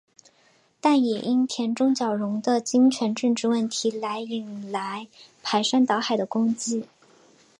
但也因田中角荣的金权政治问题来引来排山倒海的攻击。